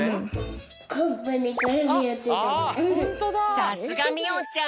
さすがみおんちゃん！